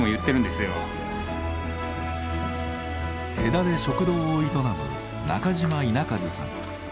戸田で食堂を営む中島稲一さん。